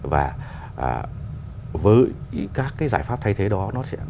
và với các cái giải pháp thay thế đó nó sẽ